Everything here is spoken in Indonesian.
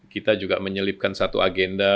kita juga menyelipkan satu agenda